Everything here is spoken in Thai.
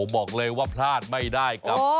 บอกเลยว่าพลาดไม่ได้ครับ